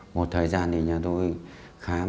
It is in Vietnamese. một thời gian thì nhà tôi khám